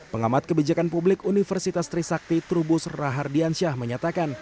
pengamat kebijakan publik universitas trisakti trubus rahardiansyah menyatakan